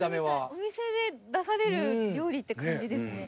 お店で出される料理って感じですね。